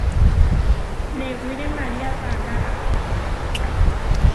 Newíre María tanára.